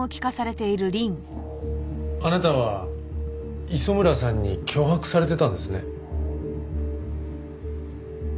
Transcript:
あなたは磯村さんに脅迫されていたんですね。